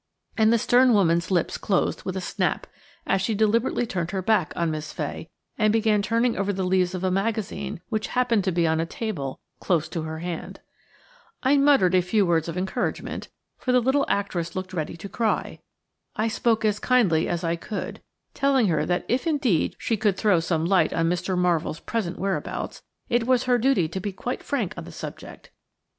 And the stern woman's lips closed with a snap, as she deliberately turned her back on Miss Fay and began turning over the leaves of a magazine which happened to be on a table close to her hand. I muttered a few words of encouragement, for the little actress looked ready to cry. I spoke as kindly as I could, telling her that if indeed she could throw some light on Mr. Marvell's present whereabouts it was her duty to be quite frank on the subject.